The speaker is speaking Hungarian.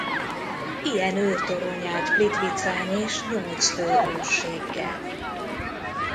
Ilyen őrtorony állt Plitvicán is nyolc fő őrséggel.